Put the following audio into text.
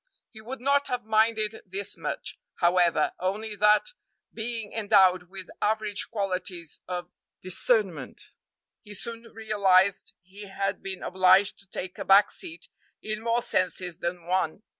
He would not have minded this much, however, only that, being endowed with average qualities of discernment, he soon realized he had been obliged to take a back seat in more senses than one.